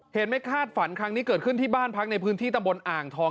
ไม่คาดฝันครั้งนี้เกิดขึ้นที่บ้านพักในพื้นที่ตำบลอ่างทอง